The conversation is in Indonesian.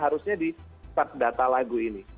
harusnya di set data lagu ini